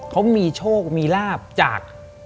เขามีโชคมีลาบจาก